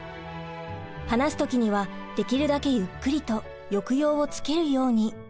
話す時にはできるだけゆっくりと抑揚をつけるように。